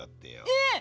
えっ！？